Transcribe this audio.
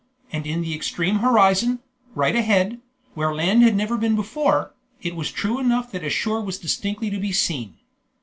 and in the extreme horizon, right ahead, where land had never been before, it was true enough that a shore was distinctly to be seen.